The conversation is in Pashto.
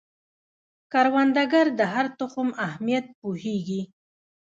کروندګر د هر تخم اهمیت پوهیږي